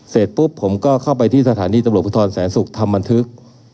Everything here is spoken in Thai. เสร็จปุ๊บผมก็เข้าไปที่สถานีตำรวจภูทรแสนศุกร์ทำบันทึก